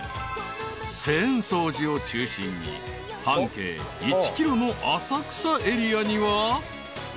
［浅草寺を中心に半径１ｋｍの浅草エリアには］